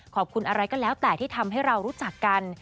ขอบคุณอะไรก็แล้วแต่ที่ทำให้เรารู้จักกัน